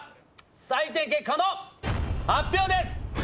採点結果の発表です！